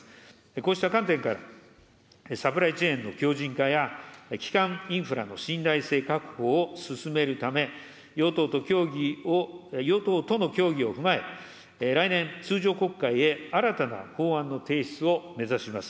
こうした観点から、サプライチェーンの強じん化や、基幹インフラの信頼性確保を進めるため、与党との協議を踏まえ、来年、通常国会へ新たな法案の提出を目指します。